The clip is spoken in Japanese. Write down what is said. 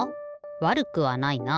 わるくはないな。